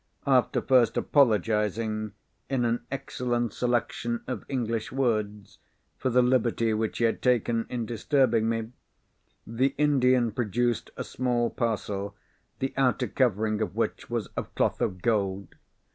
After first apologising—in an excellent selection of English words—for the liberty which he had taken in disturbing me, the Indian produced a small parcel the outer covering of which was of cloth of gold.